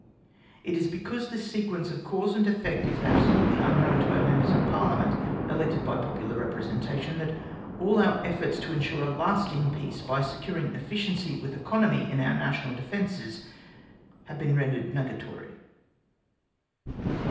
It is because this sequence of cause and effect is absolutely unknown to our Members of Parliament, elected by popular representation, that all our efforts to ensure a lasting peace by securing efficiency with economy in our National Defences have been rendered nugatory.